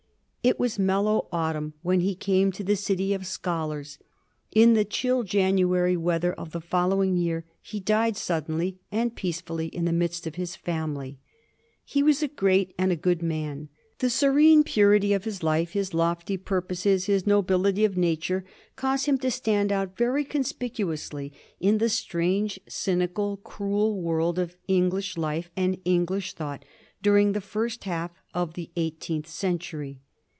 It was mellow autumn when he came to the City of Scholars. In the chill January weather of the following year he died suddenly and peace fully in the midst of his family. He was a great and a good man. The serene purity of his life, his lofty purposes, his nobility of nature, cause him to stand out very con spicuously in the strange, cynical, cruel world of English life and English thought during the first half of the eigh teenth century.